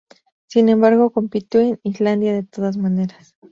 Sin embargo compitió en Islandia de todas maneras.